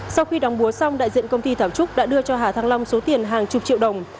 sau khi đóng búa xong đại diện công ty thảo trúc đã đưa cho hà thăng long số tiền hàng chục triệu đồng